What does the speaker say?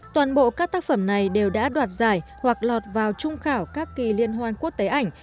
toàn bộ các tác phẩm này đều đã đoạt giải hoặc lọt vào trung khảo các kỳ liên hoan quốc tế ảnh